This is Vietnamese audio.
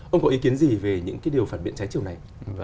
ông có ý kiến gì về những cái điều phản biện trái chiều này